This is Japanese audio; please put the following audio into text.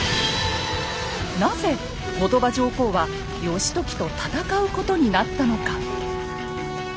なぜ後鳥羽上皇は義時と戦うことになったのか。